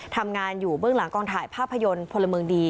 ทำงานอยู่เบื้องหลังกองถ่ายภาพยนตร์พลเมืองดี